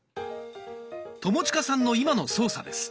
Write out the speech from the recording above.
友近さんの今の操作です。